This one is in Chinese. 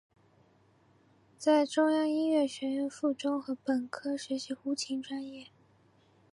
在中央音乐学院附中和本科学习胡琴专业。